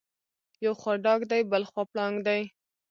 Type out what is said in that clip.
یو خوا ډاګ دی بلخوا پړانګ دی.